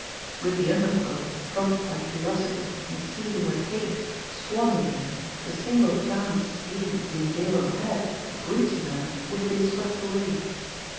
With the underworld, prompted by curiosity and seething with hate, swarming here, the single chance he, Jimmie Dale, had of reaching her would have been swept away.